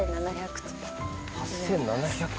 ８７００？